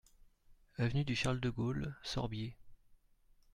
Avenue du Charles de Gaulle, Sorbiers